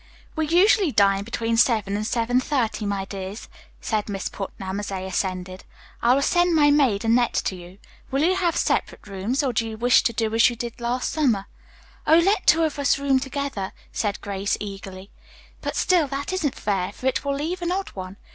"We usually dine between seven and seven thirty, my dears," said Miss Putnam, as they ascended. "I will send my maid, Annette, to you. Will you have separate rooms, or do you wish to do as you did last summer?" "Oh, let two of us room together," said Grace eagerly. "But still, that isn't fair, for it will leave an odd one.